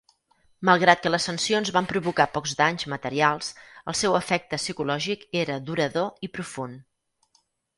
Malgrat que les sancions van provocar pocs danys materials, el seu efecte psicològic era durador i profund.